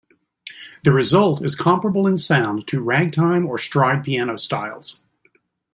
The result is comparable in sound to ragtime or stride piano styles.